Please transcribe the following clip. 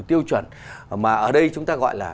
tiêu chuẩn mà ở đây chúng ta gọi là